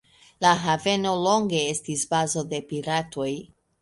La haveno longe estis bazo de piratoj.